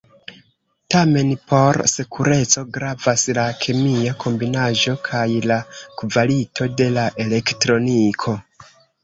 Tamen por sekureco gravas la kemia kombinaĵo kaj la kvalito de la elektroniko.